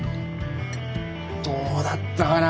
どうだったかな